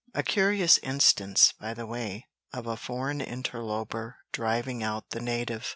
A curious instance, by the way, of a foreign interloper driving out the native.